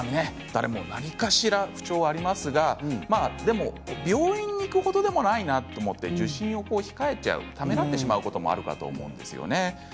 何かしら不調はありますけれど病院に行くほどでもないなと思って受診を控えてしまうためらってしまうこともありますね。